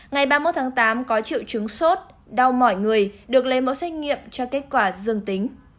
ngày ba mươi một tháng tám có triệu chứng sốt đau mỏi người được lấy mẫu xét nghiệm cho kết quả dương tính